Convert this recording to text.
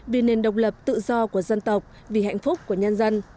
vì nền độc lập tự do của dân tộc vì hạnh phúc của nhân dân